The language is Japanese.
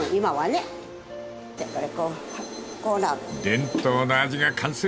［伝統の味が完成だ］